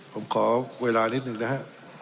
ผมขอเวลานิดหนึ่งนะฮะ